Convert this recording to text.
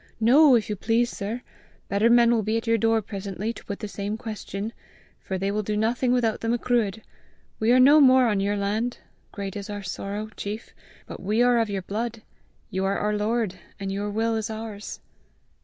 "No, if you please, sir! Better men will be at your door presently to put the same question, for they will do nothing without the Macruadh. We are no more on your land, great is our sorrow, chief, but we are of your blood, you are our lord, and your will is ours.